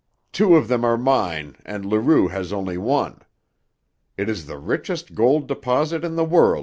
Two of them are mine, and Leroux has only one. It is the richest gold deposit in the world, M.